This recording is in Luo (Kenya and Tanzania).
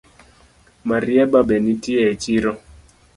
Marieba be nitie echiro?